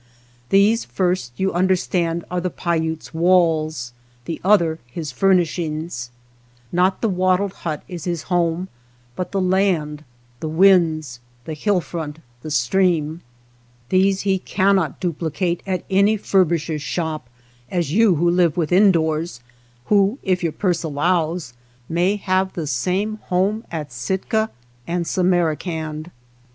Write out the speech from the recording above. These first, you understand, are the Paiute's walls, the other his furnishings Not the wattled hut is his home, but the land, the winds, the hill front, the stream. ^71> THE BASKET MAKER These he cannot dupHcate at any furbish er's shop as you who live within doors, who, if your purse allows, may have the same home at Sitka and Samarcand.